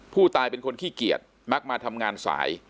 ผู้ตายเป็นคนขี้เกียจมักมาทำงานสาย